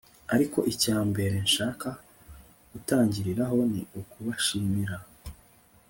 ariko icya mbere nshaka gutangiriraho ni ukubashimira